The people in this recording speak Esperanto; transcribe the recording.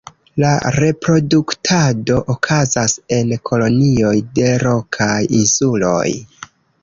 La reproduktado okazas en kolonioj de rokaj insuloj.